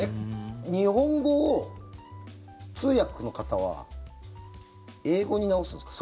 日本語を通訳の方は英語に直すんですか？